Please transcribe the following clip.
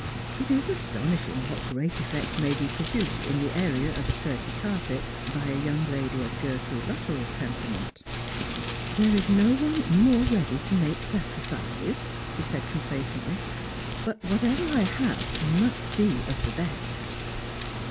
It is astonishing what great effects may be pro duced in the area of a turkey carpet by a young lady of Gertrude Luttrell's temperament. " There is no one more ready to make sacrifices," she said complacently, " But whatever I have must be of the best."